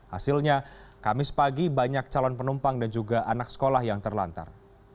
hasilnya kamis pagi banyak calon penumpang dan juga anak sekolah yang terlantar